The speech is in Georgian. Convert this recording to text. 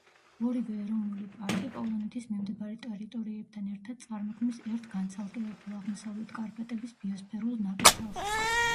ორივე ეროვნული პარკი, პოლონეთის მიმდებარე ტერიტორიებთან ერთად, წარმოქმნის ერთ განცალკევებულ, აღმოსავლეთ კარპატების ბიოსფერულ ნაკრძალს.